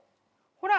ほら！